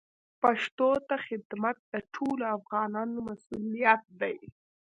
پښتو ته خدمت د ټولو افغانانو مسوولیت دی.